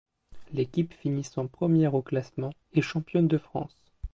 L'équipe finissant première au classement est championne de France.